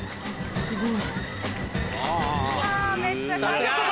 すごい！